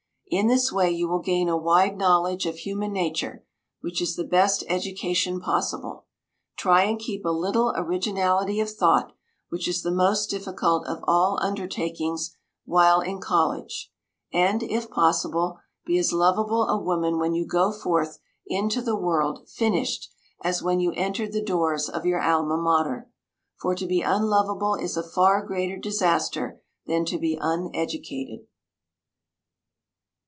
In this way you will gain a wide knowledge of human nature, which is the best education possible. Try and keep a little originality of thought, which is the most difficult of all undertakings while in college; and, if possible, be as lovable a woman when you go forth into the world "finished" as when you entered the doors of your Alma Mater: for to be unlovable is a far greater disaster than to be uneducated.